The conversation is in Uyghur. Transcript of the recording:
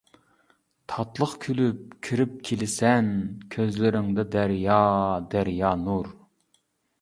تاتلىق كۈلۈپ كىرىپ كېلىسەن، كۆزلىرىڭدە دەريا-دەريا نۇر.